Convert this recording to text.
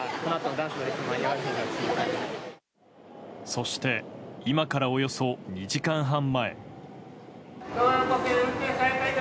そして今からおよそ２時間半前。